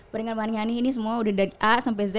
peringat peringat ini semua sudah dari a sampai z